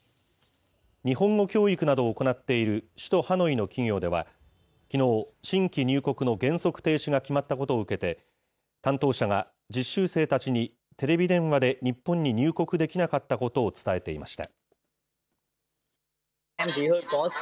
日本語教育などを行っている首都ハノイの企業では、きのう、新規入国の原則停止が決まったことを受けて、担当者が実習生たちに、テレビ電話で日本に入国できなかったことを伝えていました。